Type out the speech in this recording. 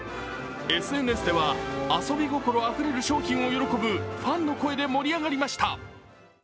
ＳＮＳでは遊び心あふれる商品を喜ぶファンの声で盛り上がりました。